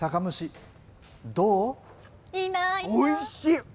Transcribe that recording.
おいしい。